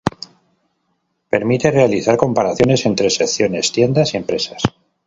Permite realizar comparaciones entre secciones, tiendas y empresas.